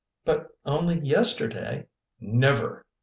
"But only yesterday " "Never!"